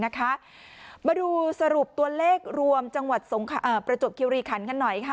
มาดูสรุปตัวเลขรวมประจบคิวรีครรภ์หน่อย